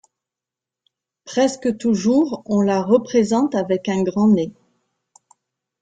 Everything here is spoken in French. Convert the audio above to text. Presque toujours on la représente avec un grand nez.